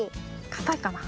かたいかな？